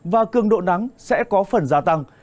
và cương độ nắng sẽ có phần gia tăng